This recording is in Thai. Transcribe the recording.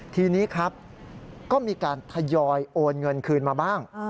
ทีนี้ครับก็มีการทยอยโอนเงินคืนมาบ้าง